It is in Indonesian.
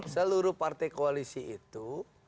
seluruh partai koalisi itu